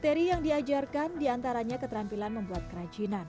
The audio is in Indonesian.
materi yang diajarkan diantaranya keterampilan membuat kerajinan